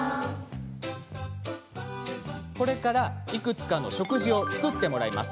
これからいくつかの食事を作ってもらいます。